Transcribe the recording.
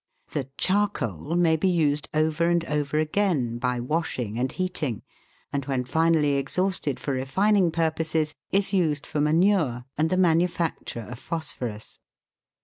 The " charcoal " may be used over and over again by wash ing and heating, and when finally exhausted for refining purposes, is used for manure and the manufacture of phos phorus.